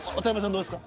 どうですか。